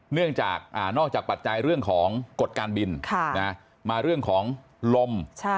เนื่องจากนอกจากปัจจัยเรื่องของกฎการบินมาเรื่องของลม